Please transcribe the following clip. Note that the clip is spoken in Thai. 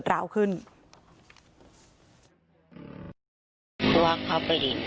เพราะไม่เคยถามลูกสาวนะว่าไปทำธุรกิจแบบไหนอะไรยังไง